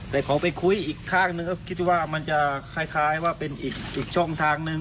แต่ขอไปคุยอีกข้างหนึ่งก็คิดว่ามันจะคล้ายว่าเป็นอีกช่องทางนึง